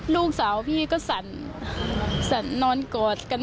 ลูกสาวพี่ก็สั่นสั่นนอนกอดกัน